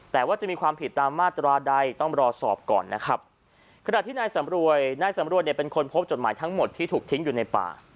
แต่ว่าจะมีความผิดตามมาตราใดต้องรอสอบก่อนนะครับขณะที่นายสำรวยนายสำรวจเนี่ยเป็นคนพบจดหมายทั้งหมดที่ถูกทิ้งอยู่ในป่า